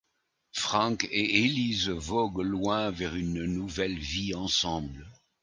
Frank et Elise voguent loin vers une nouvelle vie ensemble.